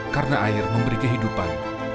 karena air memberi kehidupan